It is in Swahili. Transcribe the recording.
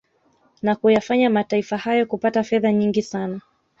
Na kuyafanya mataifa hayo kupata fedha nyingi sana